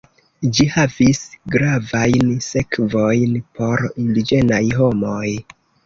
Ĝi havis gravajn sekvojn por indiĝenaj homoj.